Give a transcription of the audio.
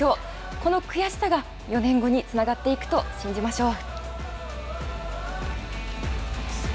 この悔しさが４年後につながっていくと信じましょう。